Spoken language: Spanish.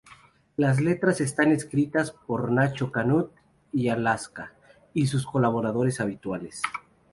Las letras están escritas por Nacho Canut y Alaska y sus colaboradores habituales.